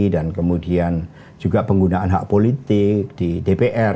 dan kemudian juga penggunaan hak politik di dpr